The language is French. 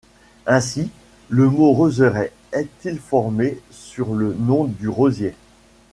Ainsi le mot roseraie est-il formé sur le nom du rosier.